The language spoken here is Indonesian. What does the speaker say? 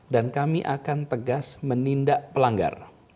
dan kami akan tegas menindak pelanggar